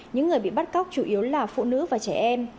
những người bị bắt cóc chủ yếu là phụ nữ và trẻ em